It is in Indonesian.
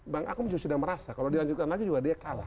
bang akom juga sudah merasa kalau dilanjutkan lagi juga dia kalah